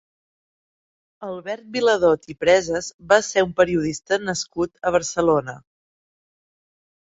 Albert Viladot i Presas va ser un periodista nascut a Barcelona.